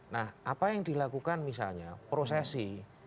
nah apa yang dilakukan misalnya prosesi